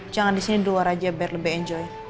jangan disini luar aja biar lebih enjoy